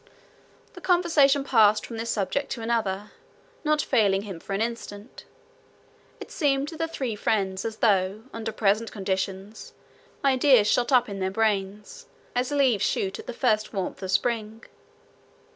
The conversation passed from this subject to another, not failing him for an instant. It seemed to the three friends as though, under present conditions, ideas shot up in their brains as leaves shoot at the first warmth of spring.